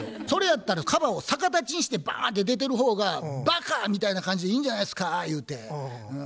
それやったらカバを逆立ちにしてバーンって出てる方が「バカ」みたいな感じでいいんじゃないっすかゆうて。